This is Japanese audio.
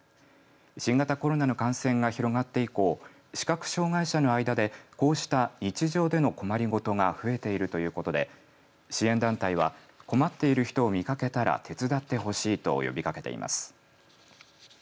新型コロナの感染が広がって以降視覚障害者の間でこうした日常での困りごとが増えているということで支援団体は困っている人を見かけたら手伝ってほしいと呼びかけています。